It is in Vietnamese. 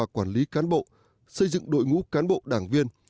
hai quan điểm